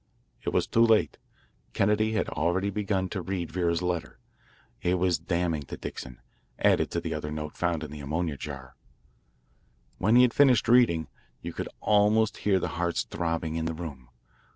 It was too late. Kennedy had already begun to read Vera's letter. It was damning to Dixon, added to the other note found in the ammonia jar. When he had finished reading, you could almost hear the hearts throbbing in the room.